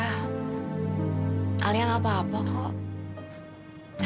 ayah alia gak apa apa kok